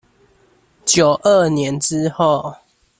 九二年之後